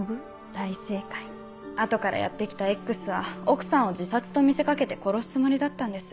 大正解後からやって来たＸは奥さんを自殺と見せ掛けて殺すつもりだったんです。